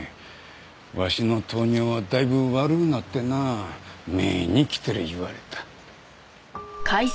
わしの糖尿はだいぶ悪うなってな目にきてる言われた。